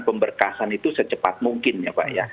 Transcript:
pemberkasan itu secepat mungkin ya pak ya